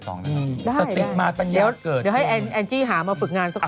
สติมาปัญญาเกิดขึ้น